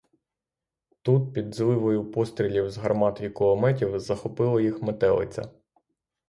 Тут під зливою пострілів з гармат і кулеметів, захопила їх метелиця.